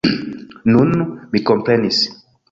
Nun, mi komprenis.